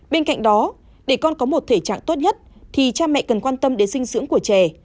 bên cạnh đó để con có một thể trạng tốt nhất thì cha mẹ cần quan tâm đến sinh dưỡng của trẻ